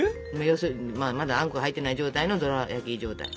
要するにまだあんこ入ってない状態のドラやき状態。